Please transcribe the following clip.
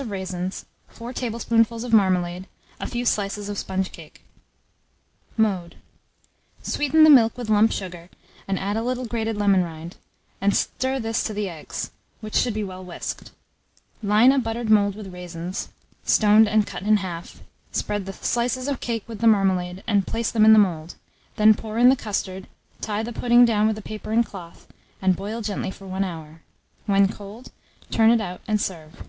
of raisins, 4 tablespoonfuls of marmalade, a few slices of sponge cake. Mode. Sweeten the milk with lump sugar, add a little grated lemon rind, and stir to this the eggs, which should be well whisked; line a buttered mould with the raisins, stoned and cut in half; spread the slices of cake with the marmalade, and place them in the mould; then pour in the custard, tie the pudding down with paper and a cloth, and boil gently for 1 hour: when cold, turn it out, and serve.